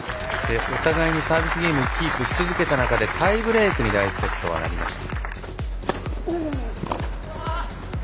お互いにサービスゲームをキープし続けた中でタイブレークに第１セットはなりました。